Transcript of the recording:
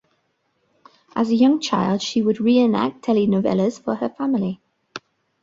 As a young child, she would reenact telenovelas for her family.